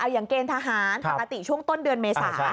อย่างเกณฑ์ทหารปกติช่วงต้นเดือนเมษา